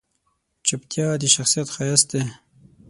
چپتیا، د شخصیت ښایست دی.